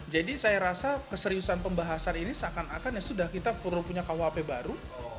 jadi saya rasa keseriusan pembahasan ini seakan akan ya sudah kita perlu punya kuhp baru